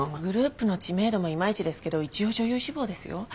グループの知名度もいまいちですけど一応女優志望ですよ。